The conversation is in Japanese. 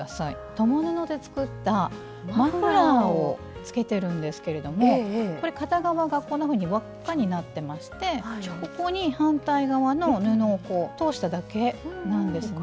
共布で作ったマフラーをつけてるんですけれどもこれ片側がこんなふうに輪っかになってましてここに反対側の布をこう通しただけなんですね。